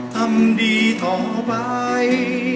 ทำดีต่อไป